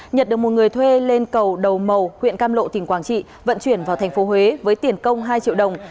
nhật được một người thuê lên cầu đầu màu huyện cam lộ tỉnh quảng trị vận chuyển vào thành phố huế với tiền công hai triệu đồng